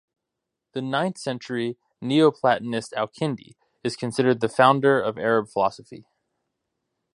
The ninth-century Neo-Platonist Al-Kindi is considered the founder of Arab philosophy.